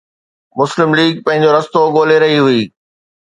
مسلم ليگ پنهنجو رستو ڳولي رهي هئي.